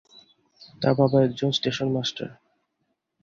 তার বাবা ছিলেন একজন স্টেশন মাস্টার।